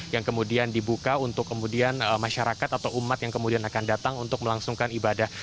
yang kemudian dibuka untuk kemudian masyarakat atau umat yang kemudian akan datang untuk melangsungkan ibadah